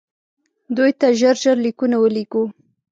دوی ته ژر ژر لیکونه ولېږو.